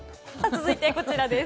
続いて、こちらです。